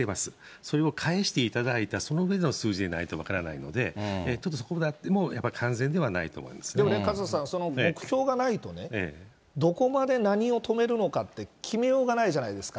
それを返していただいた、その上での数字でないと分からないので、そういうことであってもやっぱり勝田さん、その目標がないとね、どこまで何を止めるのかって決めようがないじゃないですか。